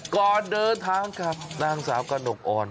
ก่อนเดินทางกับนางสาวกระหนกอ่อน